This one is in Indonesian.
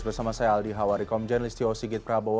bersama saya aldi hawari komjen listio sigit prabowo